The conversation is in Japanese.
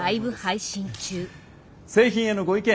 製品へのご意見